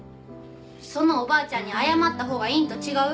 そのおばあちゃんに謝ったほうがいいんと違う？